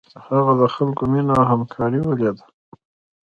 هغه د خلکو مینه او همکاري ولیده.